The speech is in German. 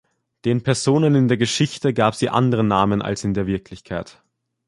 Den Personen in der Geschichte gab sie andere Namen als in der Wirklichkeit.